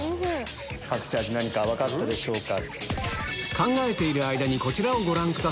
隠し味何か分かったでしょうか？